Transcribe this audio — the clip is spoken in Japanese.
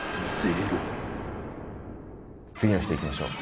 次の人いきましょう。